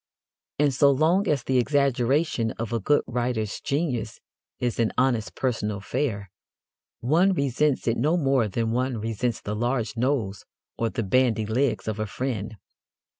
And so long as the exaggeration of a good writer's genius is an honest personal affair, one resents it no more than one resents the large nose or the bandy legs of a friend.